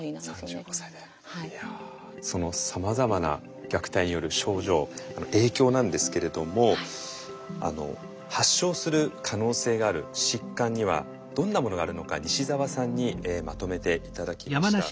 いやそのさまざまな虐待による症状影響なんですけれども発症する可能性がある疾患にはどんなものがあるのか西澤さんにまとめて頂きました。